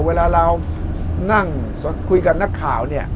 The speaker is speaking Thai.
เวลาเรานั่งคุยกับนักข่าวเนี่ย